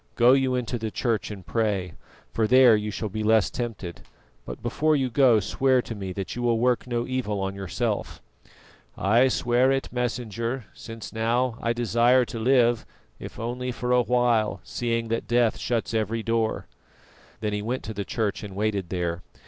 Go you into the church and pray, for there you shall be less tempted; but before you go, swear to me that you will work no evil on yourself." "I swear it, Messenger, since now I desire to live, if only for awhile, seeing that death shuts every door." Then he went to the church and waited there.